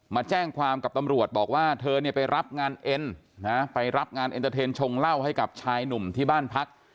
มาแจ้งความกับตำรวจบอกว่าเธอไปรับงานอันเตอร์เทนชงเหล้าให้กับชายหนุ่มที่บ้านพัก